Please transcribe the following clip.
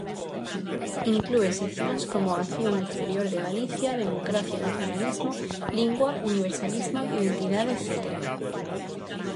Inclúe seccións como acción exterior de Galicia, democracia e nacionalismo, lingua, universalismo, identidade etcétera.